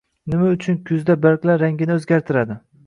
Nima uchun kuzda barglar rangini o‘zgartiradi?